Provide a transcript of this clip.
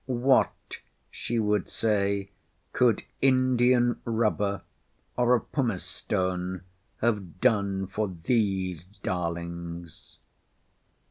"What," she would say, "could Indian rubber, or a pumice stone, have done for these darlings?"